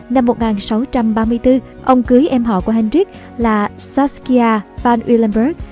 năm một nghìn sáu trăm ba mươi bốn ông cưới em họ của hendrik là saskia van uylenburg